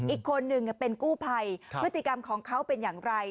อีกคนนึงเป็นกู้ภัยพฤติกรรมของเขาเป็นอย่างไร